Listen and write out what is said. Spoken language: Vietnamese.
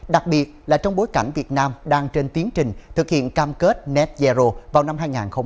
đặc biệt là trong bối cảnh việt nam đang trên tiến trình thực hiện cam kết net zero vào năm hai nghìn hai mươi